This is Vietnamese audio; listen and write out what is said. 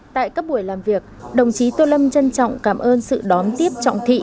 tại các buổi làm việc đồng chí tô lâm trân trọng cảm ơn sự đón tiếp trọng thị